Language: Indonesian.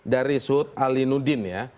dari sud ali nudin ya